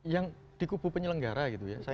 yang dikubu penyelenggara gitu ya saya